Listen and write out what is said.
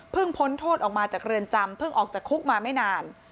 พ้นโทษออกมาจากเรือนจำเพิ่งออกจากคุกมาไม่นาน